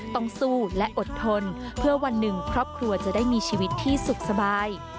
ต้องสู้และอดทนเพื่อวันหนึ่งครอบครัวจะได้มีชีวิตที่สุขสบาย